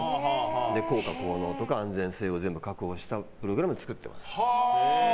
効果・効能とか安全性を全部確保したプログラムを作ってます。